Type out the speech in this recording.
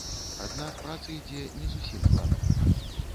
Аднак праца ідзе не зусім гладка.